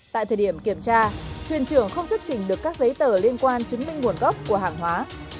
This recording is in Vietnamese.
tại thời điểm kiểm tra thuyền trưởng không xuất trình được các giấy tờ liên quan chứng minh nguồn gốc của hàng hóa